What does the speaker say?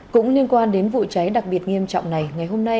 cũng liên quan đến vụ cháy đặc biệt nghiêm trọng này ngày hôm nay